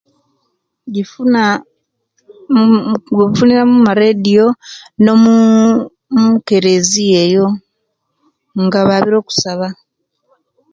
Gifuna nnn kifuna mumarediyo nomuuu mumakereziya eyo nga babire okusaba